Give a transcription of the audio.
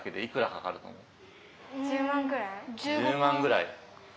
１０万ぐらい？